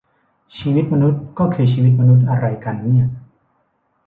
ชีวิตมนุษย์ก็คือชีวิตมนุษย์อะไรกันเนี่ย ?